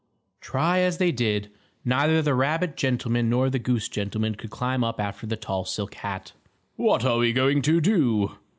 Try as they did, neither the rabbit gentleman nor the goose gentleman could climb up after the tall silk hat. "What are we going to do?"